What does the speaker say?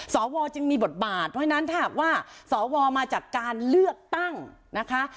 สวจึงมีบทบาทเพราะฉะนั้นถ้าหากว่าสวมาจากการเลือกตั้งนะคะ